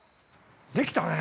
できたね。